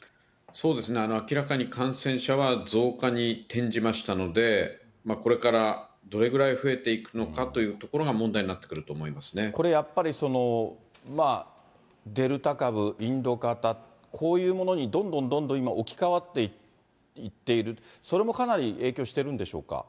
明らかに感染者は増加に転じましたので、これからどれぐらい増えていくのかというところが問題になってくこれやっぱり、そのデルタ株、インド型、こういうものにどんどんどんどん今、置き換わっていっている、それもかなり影響してるんでしょうか。